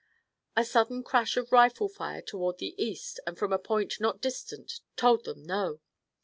A sudden crash of rifle fire toward the east and from a point not distant told them no.